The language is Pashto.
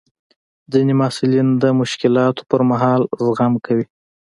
ځینې محصلین د مشکلاتو پر مهال زغم کوي.